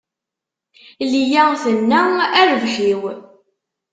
Liya tenna: A rrbeḥ-iw!